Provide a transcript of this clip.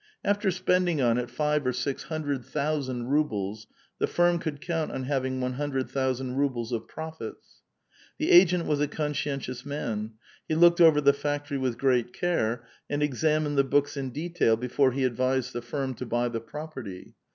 After spending on it five or six hundred thousand rubles, the firm could count on having one hundred thousand rubles of profits. The agent was a consci entious man ; he looked over the factory with great care, and examined the books in detail before he advised the firm to buy the property.